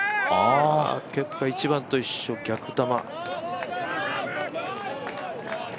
結果１番と一緒、逆球。